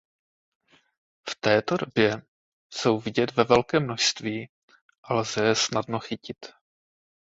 V této době jsou vidět ve velkém množství a lze je snadno chytit.